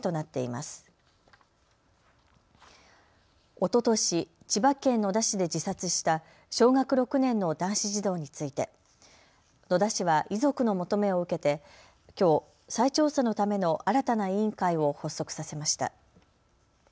おととし、千葉県野田市で自殺した小学６年の男子児童について野田市は遺族の求めを受けてきょう再調査のための新たな委員会を発足させました。